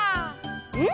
うん！